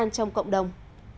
không cộng đồng